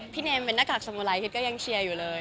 เนมเป็นหน้ากากสมุไรฮิตก็ยังเชียร์อยู่เลย